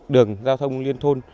đường giao thông liên thôn